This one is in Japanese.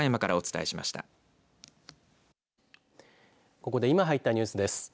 ここで今、入ったニュースです。